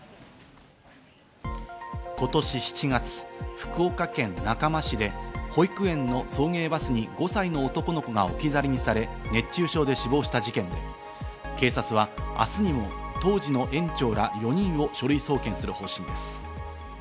今年７月、福岡県中間市で保育園の送迎バスに５歳の男の子が置き去りにされ、熱中症で死亡した事件で、警察は明日にも当時の園長ら４人を書類送検する方針です。